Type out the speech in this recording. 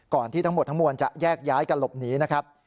ที่ทั้งหมดทั้งมวลจะแยกย้ายกันหลบหนีนะครับ